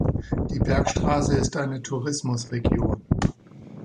Die Bergstraße ist eine Tourismusregion.